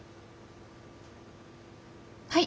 はい。